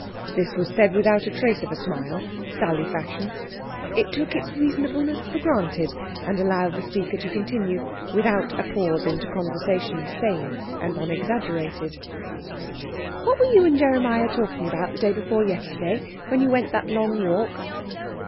This was said without a trace of a smile, Sally fashion. It took its reasonableness for granted, and allowed the speaker to continue without a pause into conversation sane and unexaggerated. "What were you and Jeremiah talking about the day before yesterday, when you went that long walk?"